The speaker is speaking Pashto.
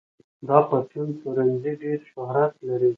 دا پرچون پلورنځی ډېر شهرت لري.